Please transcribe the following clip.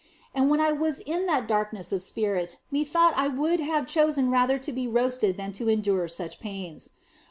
And when I was in that darkness of spirit methought I would have chosen rather to be roasted than to endure such pains.